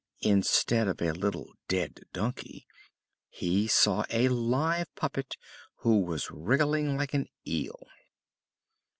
Instead of a little dead donkey he saw a live puppet, who was wriggling like an eel.